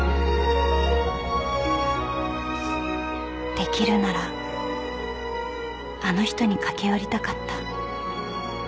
［できるならあの人に駆け寄りたかった］